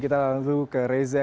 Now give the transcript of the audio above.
kita langsung ke reza